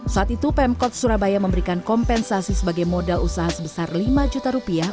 saat itu pemkot surabaya memberikan kompensasi sebagai modal usaha sebesar lima juta rupiah